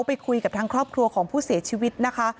ไปคุยกับทางครอบครัวของผู้เสียชีวิตนะคะ